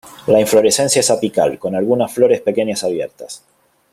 La inflorescencia es apical, con algunas flores pequeñas abiertas.